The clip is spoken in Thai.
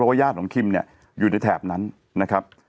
ญาติของคิมเนี่ยอยู่ในแถบนั้นนะครับ